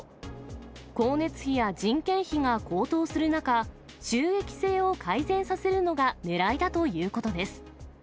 光熱費や人件費が高騰する中、収益性を改善させるのがねらいだということです。